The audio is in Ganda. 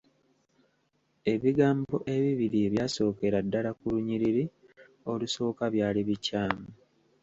Ebigambo ebibiri ebyasookera ddala ku lunyiriri olusooka byali bikyamu.